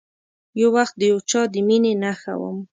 یو وخت د یو چا د میینې نښه وم